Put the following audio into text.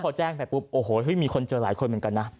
พอแจ้งไปปุ๊บโอ้โหมีคนเจอหลายคนเหมือนกันนะ